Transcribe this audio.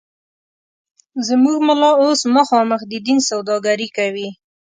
زموږ ملا اوس مخامخ د دین سوداگري کوي